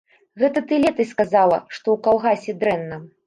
Гэта ты летась казала, што ў калгасе дрэнна.